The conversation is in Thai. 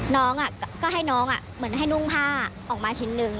น้องก็ให้น้องเหมือนให้นุ่งผ้าออกมาชิ้นนึง